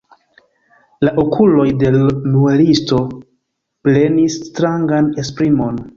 La okuloj de l' muelisto prenis strangan esprimon.